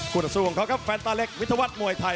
คู่ตะสู้ของเขาครับฟันตาเล็กวิธวัฒน์มวยไทย